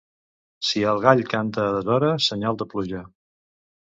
Si el gall canta a deshora senyal de pluja.